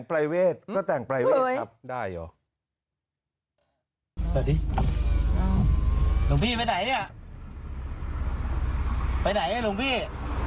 เดี๋ยวเป็นพระงงไปหมดแล้วเนี่ย